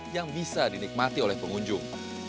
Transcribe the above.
yang bisa dinikmati oleh pengunjung